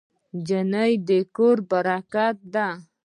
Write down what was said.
نجلۍ د کورنۍ برکت ده.